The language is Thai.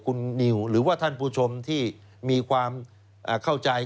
คุณนิวหรือว่าท่านผู้ชมที่มีความเข้าใจ